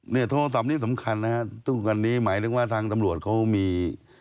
เนี่ยโทรศัพท์นี้สำคัญนะครับทุกวันนี้หมายถึงว่าทางตำรวจเขามี